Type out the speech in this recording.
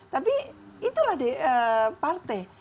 tapi itulah partai